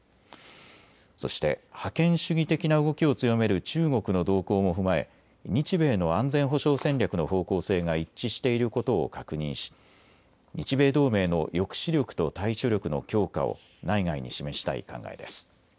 そして、覇権主義的な動きを強める中国の動向も踏まえ日米の安全保障戦略の方向性が一致していることを確認し日米同盟の抑止力と対処力の強化を内外に示したい考えです。